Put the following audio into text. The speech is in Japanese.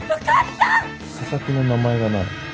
佐々木の名前がない。